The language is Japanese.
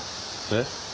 えっ？